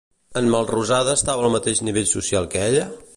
En Melrosada estava al mateix nivell social que ella?